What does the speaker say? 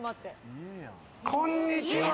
こんにちは。